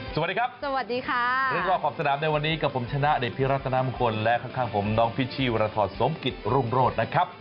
สวัสดีครับสวัสดีค่ะเรื่องรอบขอบสนามในวันนี้กับผมชนะเดชพิรัตนามงคลและข้างผมน้องพิชชี่วรทรสมกิจรุ่งโรธนะครับ